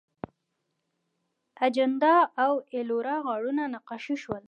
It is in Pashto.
اجنتا او ایلورا غارونه نقاشي شول.